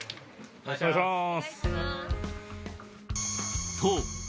よろしくお願いします。